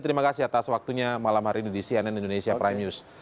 terima kasih atas waktunya malam hari ini di cnn indonesia prime news